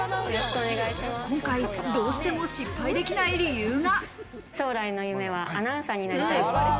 今回どうしても失敗できない理由が。